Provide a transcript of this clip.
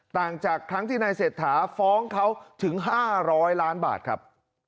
ต่างจากครั้งที่นายเศรษฐาฟ้องเขาถึง๕๐๐ล้านบาทครับ